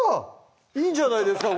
いいんじゃないですか？